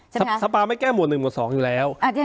ใช่ไหมคะสภาไม่แก้หมวดหนึ่งหมวดสองอยู่แล้วอ่า